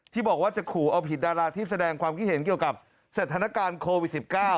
ที่บอกว่าจะขู่เอาผิดดาราที่แสดงความคิดเห็นเกี่ยวกับสถานการณ์โควิด๑๙